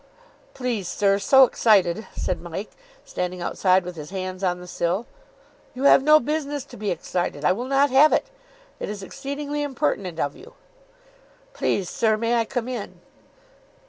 "Please, sir, so excited," said Mike, standing outside with his hands on the sill. "You have no business to be excited. I will not have it. It is exceedingly impertinent of you." "Please, sir, may I come in?"